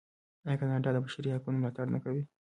آیا کاناډا د بشري حقونو ملاتړ نه کوي؟